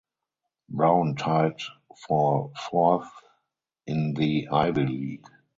Brown tied for fourth in the Ivy League.